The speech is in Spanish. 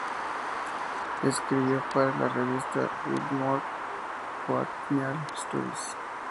Escribió para la revista "Biltmore Botanical Studies".